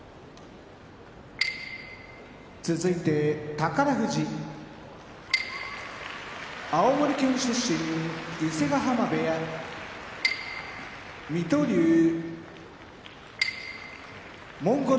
宝富士青森県出身伊勢ヶ濱部屋水戸龍モンゴル